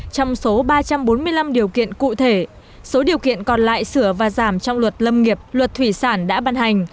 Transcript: trong số ba trăm bốn mươi năm điều kiện cụ thể số điều kiện còn lại sửa và giảm trong luật lâm nghiệp luật thủy sản đã ban hành